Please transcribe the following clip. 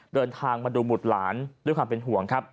เดินทางมาดูหมุดหลานด้วยความเป็นห่วง